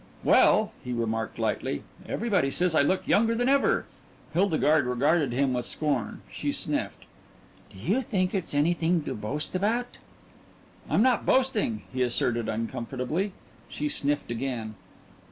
"Well," he remarked lightly, "everybody says I look younger than ever." Hildegarde regarded him with scorn. She sniffed. "Do you think it's anything to boast about?" "I'm not boasting," he asserted uncomfortably. She sniffed again.